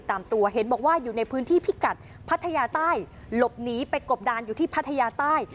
ตามตัวเห็นบอกว่าอยู่ในพื้นที่พิกัดพัทยาใต้หลบหนีไปกบดานอยู่ที่พัทยาใต้